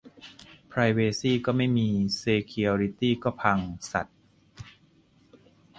"ไพรเวซี่ก็ไม่มี เซเคียวริตี้ก็พัง สัส"